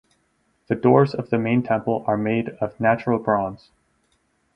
The doors of the main temple are made of natural bronze.